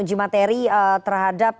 uji materi terhadap